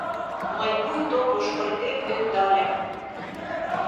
Мый пуйто Пошкыртем ӧндальым